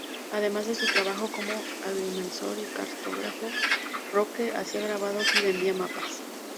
Además de su trabajo como agrimensor y cartógrafo, Roque hacía grabados y vendía mapas.